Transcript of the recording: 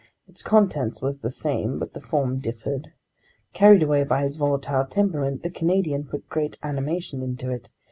Its content was the same, but the form differed. Carried away by his volatile temperament, the Canadian put great animation into it.